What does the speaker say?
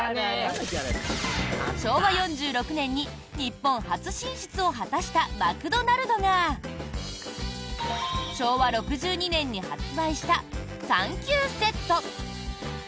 昭和４６年に日本初進出を果たしたマクドナルドが昭和６２年に発売したサンキューセット。